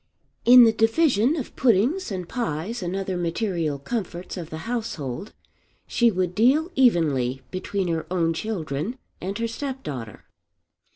In the division of puddings and pies and other material comforts of the household she would deal evenly between her own children and her step daughter.